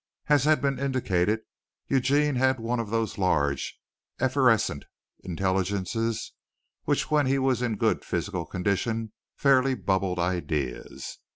As has been indicated, Eugene had one of those large, effervescent intelligences which when he was in good physical condition fairly bubbled ideas.